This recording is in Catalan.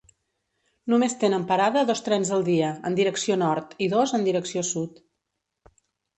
Només tenen parada dos trens al dia en direcció nord i dos en direcció sud.